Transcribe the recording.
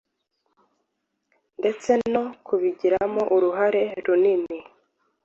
ndetse no kubigiramo uruhare runini